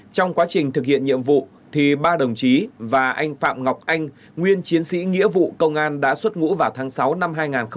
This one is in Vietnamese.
trong quá trình thực hiện nhiệm vụ ba đồng chí và anh phạm ngọc anh nguyên chiến sĩ nghĩa vụ công an đã xuất ngũ vào tháng sáu năm hai nghìn hai mươi ba